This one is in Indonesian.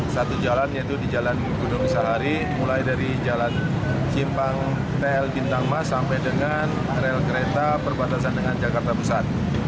satu jalan yaitu di jalan gunung sahari mulai dari jalan simpang tl bintang mas sampai dengan rel kereta perbatasan dengan jakarta pusat